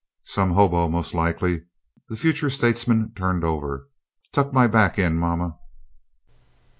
"Some hobo most like." The future statesman turned over. "Tuck my back in, Mamma."